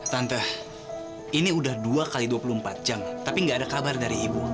tante ini udah dua x dua puluh empat jam tapi nggak ada kabar dari ibu